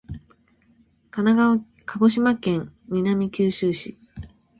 鹿児島県南九州市